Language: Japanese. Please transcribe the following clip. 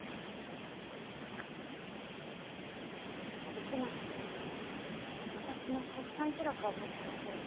市松君に私の出産記録を撮ってほしいの。